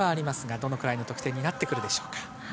どのくらいの得点になってくるでしょうか。